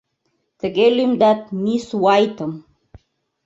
Тыге лӱмдат мисс Уайтым.